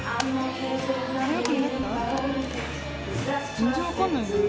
全然分かんない。